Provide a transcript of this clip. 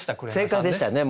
正解でしたね。